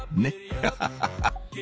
ハハハハ！